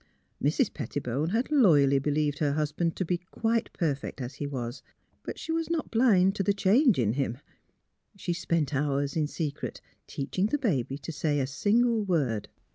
Mrs. Pettibone had loyally believed her husband to be quite perfect as he was; but she was not MISS PHILURA'S BABY 333 blind to tlie change in Mm. She spent hours in secret, teaching the baby to say a single word.